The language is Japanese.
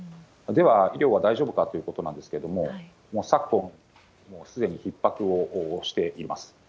では、医療は大丈夫かということなんですけれども、もう昨今、もうすでにひっ迫をしています。